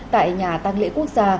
tại nhà tăng lễ quốc gia